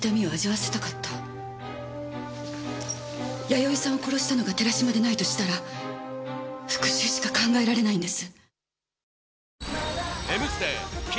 弥生さんを殺したのが寺島でないとしたら復讐しか考えられないんです。